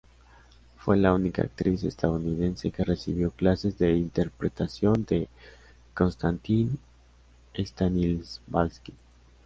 Fue la única actriz estadounidense que recibió clases de interpretación de Konstantín Stanislavski.